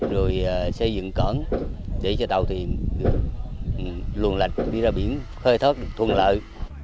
rồi xây dựng cỡn để cho tàu tìm luồn lạch đi ra biển khơi thoát thuận lợi